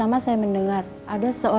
yang maksud kata bukti